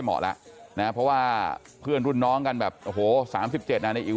เหมาะแล้วนะเพราะว่าเพื่อนรุ่นน้องกันแบบโอ้โห๓๗นะในอิ๋